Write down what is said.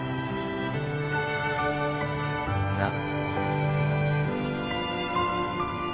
なっ。